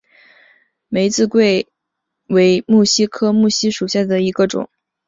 蒙自桂花为木犀科木犀属下的一个种。